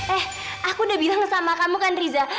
eh aku udah bilang sama kamu kan riza